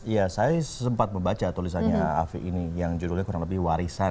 ya saya sempat membaca tulisannya afi ini yang judulnya kurang lebih warisan